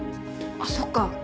あっそっか。